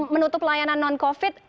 menutup layanan non covid